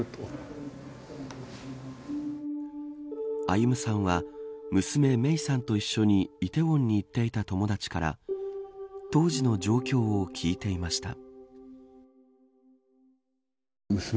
歩さんは娘、芽生さんと一緒に梨泰院に行っていた友達から当時の状況を聞いていました。